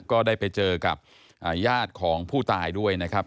ก็ได้ไปเจอกับญาติของผู้ตายด้วยนะครับ